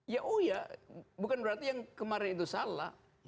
ya oh ya bukan berarti yang kemarin itu salah